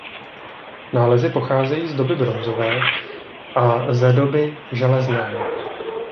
Nálezy pocházejí z doby bronzové a ze doby železné.